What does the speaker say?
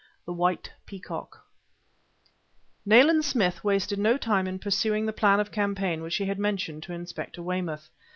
THE WHITE PEACOCK Nayland Smith wasted no time in pursuing the plan of campaign which he had mentioned to Inspector Weymouth.